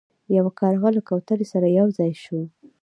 یو کارغه له کوترو سره یو ځای شو.